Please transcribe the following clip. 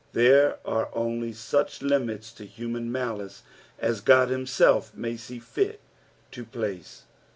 Thero are only such limits to human niolice as God himself may aee fit to pla< e.